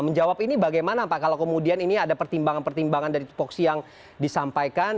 menjawab ini bagaimana pak kalau kemudian ini ada pertimbangan pertimbangan dari tupoksi yang disampaikan